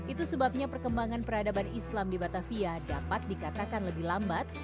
itu sebabnya perkembangan peradaban islam di batavia dapat dikatakan lebih lambat